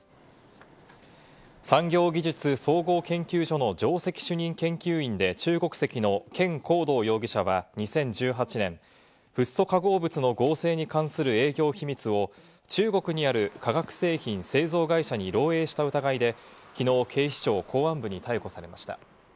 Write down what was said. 産業技術総合研究所の上席主任研究員で中国籍のケン・コウドウ容疑者は２０１８年、フッ素化合物の合成に関する営業秘密を中国にある化学製品製造会社に漏えいした疑いできのう、警視庁公安部に逮捕されました。